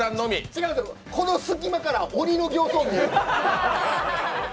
違うんです、この隙間から鬼の形相見える。